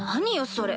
それ。